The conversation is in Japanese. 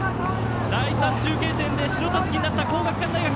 第３中継点で白たすきになった皇學館大学。